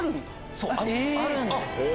そうあるんです。